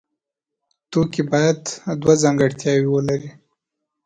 توکی باید دوه ځانګړتیاوې ولري.